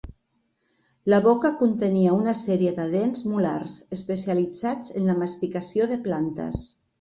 La boca contenia una sèrie de dents molars, especialitzats en la masticació de plantes.